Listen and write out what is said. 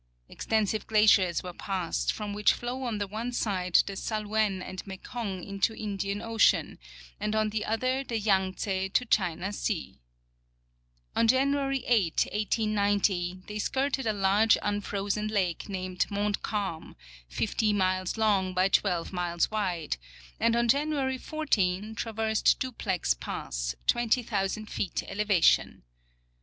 Extensive glaciers were passed, from which flow on the one side the Salouen and Mekong into Indian ocean, and on the other the Yang tse to China sea. On January 8, 1890, the;^ skirted a large unfrozen lake named Mont calm, 50 miles long by 12 miles wide, and on January 14 trav ersed Duplex pass, 20,000 feet elevation.